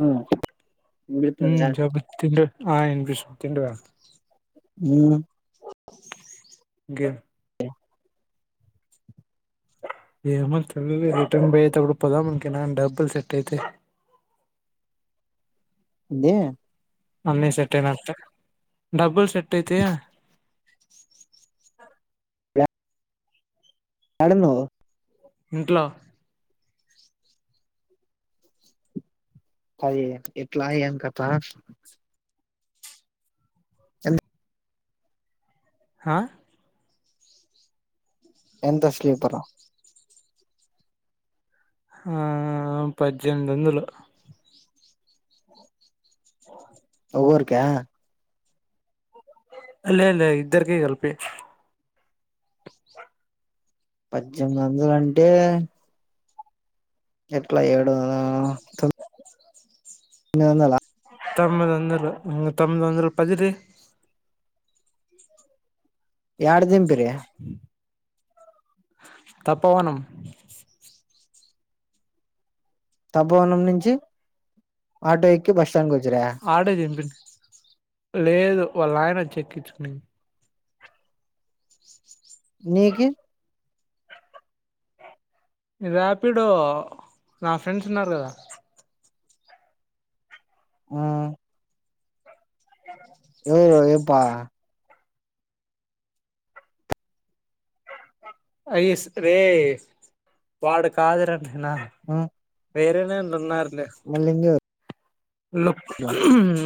ఆ వినిపిత్తదా హ్మ్మ్ చెప్పు తిండు ఆ పిష్ తింవా హా గ ఏమ చ రిటర్న్ బయతే అప్పుడుప్పదామక డబ్బుల్ సెట్ అయితే ఇదే అమ్న్నీ సెట్ేన్త డబ్బుల్స్ చట్టైతేయా యాడున్నావ్ ఇంట్లో అది ఎట్లాయి ఏం కథా చల హా ఎంత స్లీపరు ఆ పద్దెనిమిది వందలు అ ఒక్కొక్కరికా లే లే ఇద్దరికి కలిపి పద్దెనిమిది వందలు అంటే ఎట్లా ఏడు ఆ తొమ్మిదివందల తొమ్మిదివందలూ ఇంగ తొమ్మిదివందలూ పదిీ ఎడ దిం ఆ తప్పవనం తప్పవనం నుంచి ఆటో ఎక్కి బస్ స్టాండ్ కి వచ్చిరా ఆటే చంపింది లేదు వాళ్ళు ఆయన చెకిించ న నీకి రాపిడో నా ఫ్రెండ్స్ ఉన్నారు కదా ఆ అ ఏవ ఏపా అయిస్ రే వాడు కాదురనా ఆ వేరేనాంటన్నారు మల్లింగరు లో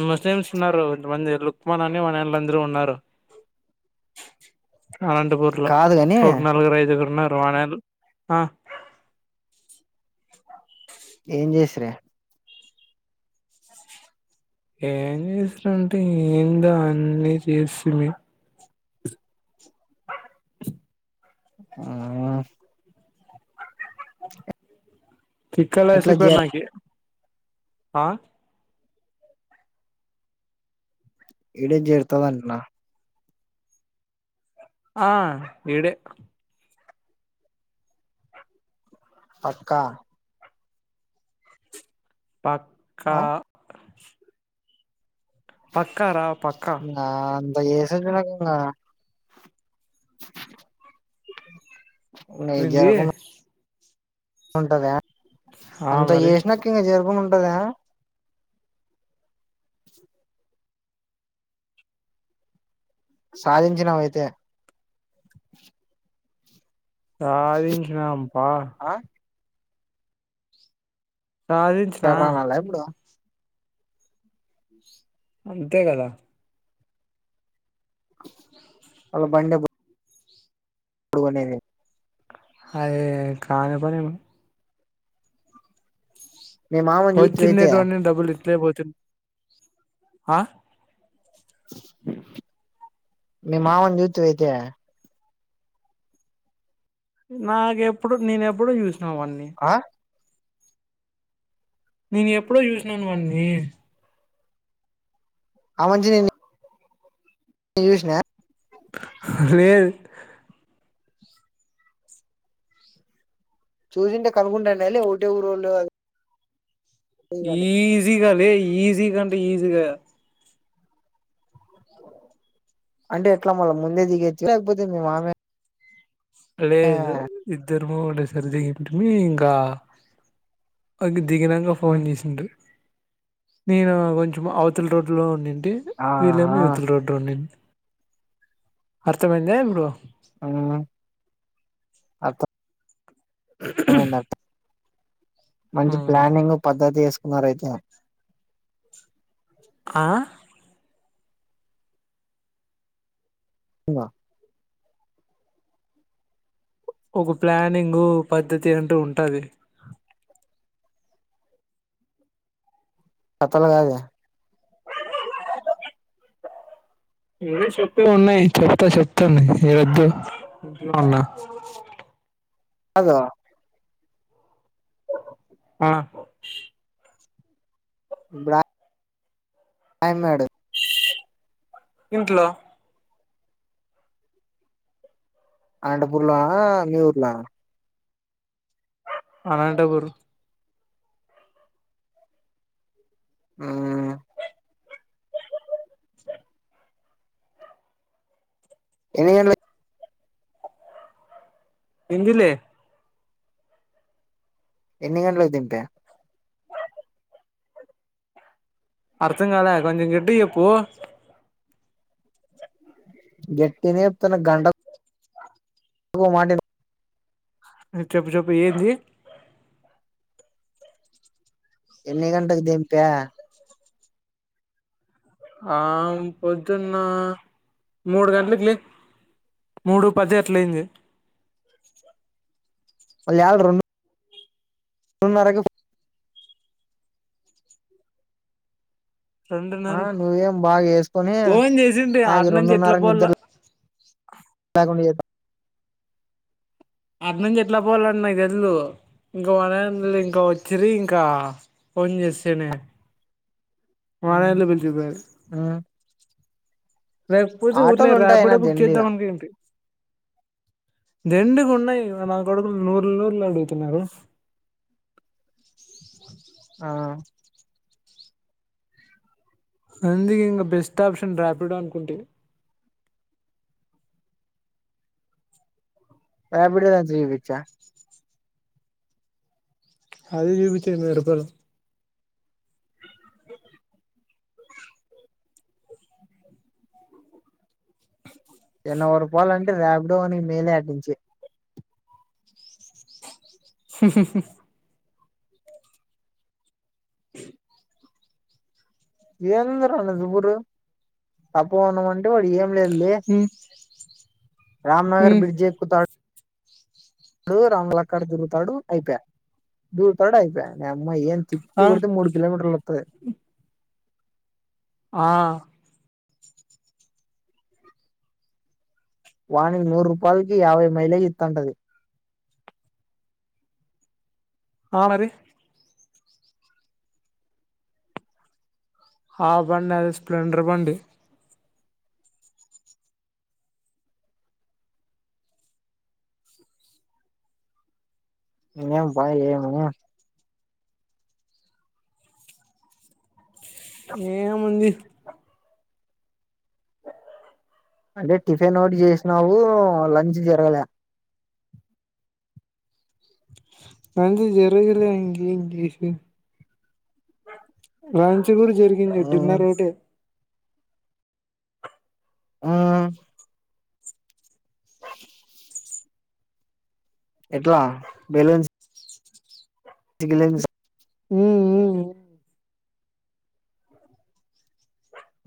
మ మ్స్ ఉన్నారు కొంతమంది లుక్మాన్ అని మళ్ళ అందరూ ఉన్నారు అనంతపూర్ లో కాదు గాని ఒక నలుగురు ఐదుగురున్న వాణ ఆ ఏం చేస్రే ఏం చేసారంటే ఏందో అన్నీ చేసి మీ ఆ ఆ తిక్క లేసిపీ నాకి ఆ ఇడే జ చేరుతదంటనా ఆ ఇడే పక్క పక్క ఆ పక్క రా పక్క ఏసుజినకంగా న జ ఏంది రక [unintelligible] ఉంటద ఆ అంత మరి ఏసిన క చెరు అంటద సాధించినావ అయితే సాధించిన అప ఆ సాధించిన ఎడరానాల ఇప్పుడు అంతే కదా అలా బండి ఇప్పుడు గోనె అయే కానీ పనీ మీ మామని చూతివి అయితే వచ్చిందిేటువంటి డబ్బులు ఇట్లే పోపోతుంది ఆ మీ మామ జుతివ అయితే నాకుెప్పుడు నేన ఎప్పుడు చూసి అవన్నీ ఆ నేను ఎప్పుడో చూసినాను వన్ని ఆ మంచి నిని ఈ యూష్ నా లేేదు చూసింటే కనుక్కుంటాండే లే ఒకటే ఊరుోళ్ళు అద్ ఈజిగా లే ఈజ్ ఈజీగా అంటే ఈజీగా అంటే ఎట్లా మళ్ళా ముందే దిగచ్చు లేకపోతే మీ మామే లేేదు ఇద్ద ద్దరము ఒకటేసారి దిగింటిమి ఇంకా అగుద్ దిగినాంక ఫోన్ చేసిండ్రి నేను కొంచెం అవతల రోడ్ లో ఉన్నిన్ టి ఆహా వీలేమో ఇవతల రోడ్ లో ఉండిన్ అర్థమయ్యిందా ఇప్పుడు మ్మ్ రెండోదల్ మంచి ప్లానింగ్ పద్ధతిసు కున్నారు అయితే ఆ ఇంగా ఒక ప్లానింగ్ ఒక పద్ధతి అంటూ ఉంటది పతలు కాదే చెప్తా చెప్తా ఉన్నాయి ఈడ వద్దు ఇంట్లో ఉన్నా కాదు ఆ ఇప్పుడా హాయ్ అన్నాడు ఇంట్లో అనంతపూర్ లోనా మీ ఊర్లో నా అనంతపూర్ హుమ్ ఎన్ని గంట్ల ఏంది లే ఎన్ని గంటలకి దింపే అర్థం కాలే కొంచెం గట్టిగా చెప్పు గట్టిగనే చెప్తున్న గంటక్ కో మాట ఇనప్ హు చెప్పు చెప్పు ఏంది ఎన్ని గంటకు దేంప్యా ఆ మ్ పొద్దున్న మూడు గంట్లకు లే మూడు పది అట్లయింది. వాళ్ళ్ యాడ రెండు డున్నరకు ఫో ఆ రెండున్నర నువ్వేం బాగా వేసుకొని ఫోన్ చేసింటి నాకి ఆడనుంచి ఎట్లా రెండున్నరకి పోల్ల నిద్దర్ల్ లేకుండ చేత్ అట్ నుంచి ఎట్లా పోవాలో నాకు తెల్దు ఇంక వన ఇంకా వచ్చిర ఇంకా ఫోన్ చేస్తేనే వానలో విడిచి పోయారు లేకపోతే ఊరి నే ఆటోలు ఉంటాయినా ర్యాపిడో బుక్ చేద్దాం దండిగా అనక ఏంటి దెండుగ ఉన్నాయి నా! ! ! ! ! నూర్లు నూర్లు అడుగుతున్నారు ఆ అందుకే ఇంకా బెస్ట్ ఆప్షన్ ర్యాపిడో అనుకుంటే ర్యాపిడో జీపించా అదే చూపిచేయి వేయి రూపాయిలు నలభై రూపాయలు అంటే ర్యాపిడో అని మేలే అట్టునుంచి ఏంది రా నజువురు అబ్బ నువు అంట్ ఇక్కడ కూడా ఏం లేదుంది ఉమ్ రామ్ నగర్ ఉమ్, బ్రిడ్జ్ ఎక్కుతాడు అడు రంగ లక్కడు తిరుగుతాడు అయిపోయే దుకుతాడు అయిపోయే నీ అమ్మ ఏన్ ఆ తిప్పి కొడుతే మూడు కిలోమీటర్ల వస్తది ఆ వాణి నూరు రూపాయలకి యాభై మైలేజ్ ఇస్తటంది ఆ మరి ఆ బండి అదే స్ప్లెండర్ బండి ఏం బాయ ఏమి ఏముంది అంటే టిఫిన్ ఒకటి చేసినావు లంచ్ జరగల అంత జరగిలే ఇంగ ఇంగ్లీష్ రాంచి కూడా జరిగింది మ్మ్ డిన్నర్ ఒకటే ఆ ఎట్లా బెలూన్స్ [unintelligible] ఉమ్ ఉమ్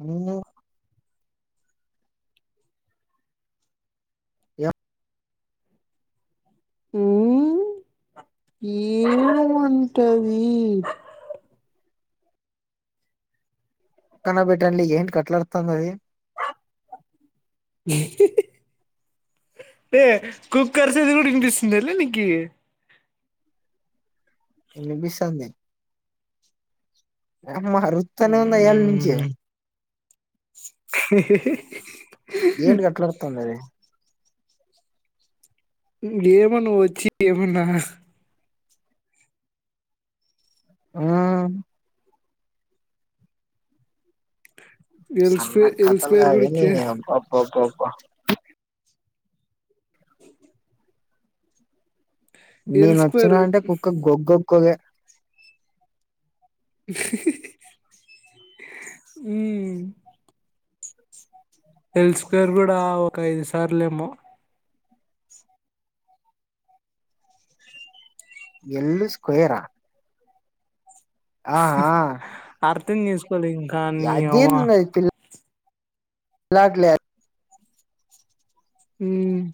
అమ్ యా ఏనుమంటవి కనబేటల్లి ఏం కట్లాడతాందది ఏ కుక్కర్స్ ఇజీల్ ఇనిపిస్తుందిలే నికి ఇది ఇ బిసాన్ని అమ్మ రుత్తనే ఉందా ఏళ్ళ నుంచి యునిఇన్టిలిజిబుల్ ఏన్ గట్లాడుతుండనే ఏమన్నా వచ్చి ఏమన్నా ఆ అ ఎల్ సన్న స్క్వేర్ ఎల్ కతల్ స్క్వేర్ కూడా కానీ ఇచ్చే అబ్బ అబ్బబ్ ఎల్ నేను స్క్వేర్ వచ్చినా అంటే కుక్క గోగో కో లే హ్మ్ ఎల్ స్క్వేర్ కూడా ఒక ఐదు సార్లేమో ఎల్ స్క్వేర్ రా ఆ ఆ తిన్యూస్ పలింక [unintelligible] రాట్లే హ్మ్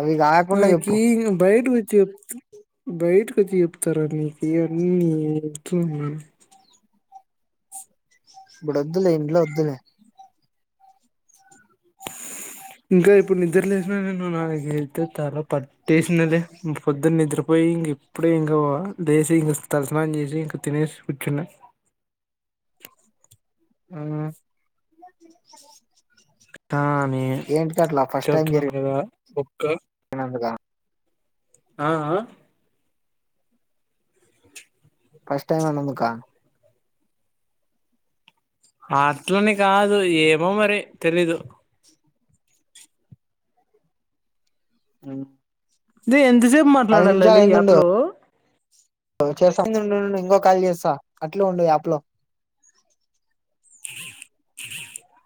అవి కాకుండా చెప్పు ఓకి బయట వ చెప్ బయటకి వచ్చి చెప్తారా నీకు ఇవన్నీ ఇట్లుని ఇప్పుడు వద్దులే ఇంట్లో వద్దులే ఇంకా ఇప్పుడు నిద్ర లేసిన నేను నాకు వెళ్తే తల పట్టేసినదే పొద్దున నిద్రపోయి ఇంక ఇప్పుడే ఇంక లేసి ఇంక తలస్నానం చేసి ఇంక తినేసి కూర్చున్నా ఆ అని ఏంటికి అట్లా ఫస్ట్ టైం చెప్తున్నాను కదా కా [unintelligible] ఆ ఆ ఫస్ట్ టైం పోయినందుకా అట్లనే కాదు ఏమో మరి తెలీదు అవు ది ఎన్ దు ఎమ్ మాట్లాడాలిలి ఈ యాప్ లో అ వచ్చేస్తది ఉండుండు ఇంకో కాల్ చేస్తా అట్లు ఉండు యాప్లో ఇ